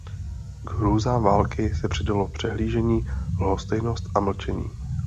K hrůzám války se přidalo přehlížení, lhostejnost a mlčení.